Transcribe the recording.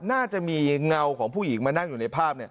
น่าจะมีเงาของผู้หญิงมานั่งอยู่ในภาพ